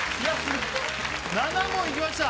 ７問いきました。